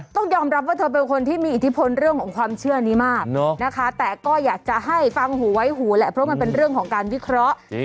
ต้องยอมรับว่าเธอเป็นคนที่มีอิทธิพลเรื่องของความเชื่อนี้มากนะคะแต่ก็อยากจะให้ฟังหูไว้หูแหละเพราะมันเป็นเรื่องของการวิเคราะห์